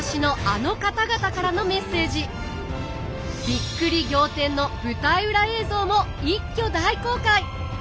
びっくり仰天の舞台裏映像も一挙大公開！